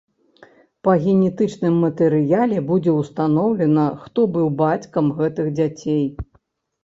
Па генетычным матэрыяле будзе ўстаноўлена, хто быў бацькам гэтых дзяцей.